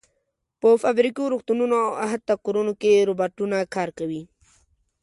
په فابریکو، روغتونونو او حتی کورونو کې روباټونه کار کوي.